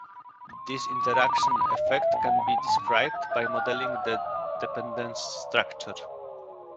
This interaction effect can be described by modelling the dependence structure.